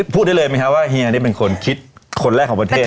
พูดได้เลยไหมครับว่าเฮียนี่เป็นคนคิดคนแรกของประเทศ